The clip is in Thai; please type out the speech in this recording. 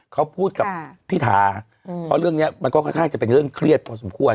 เขาพูดกับพี่ถาเพราะเรื่องนี้มันก็ค่อนข้างจะเป็นเรื่องเครียดพอสมควร